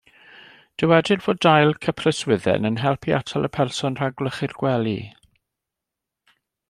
Dywedir fod dail cypreswydden yn help i atal y person rhag gwlychu'r gwely.